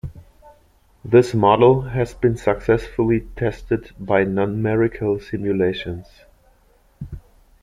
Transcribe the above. This model has been successfully tested by numerical simulations.